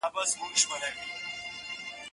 هغه زما د لوبو نجوني